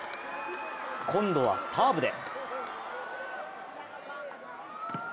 今度はサーブで。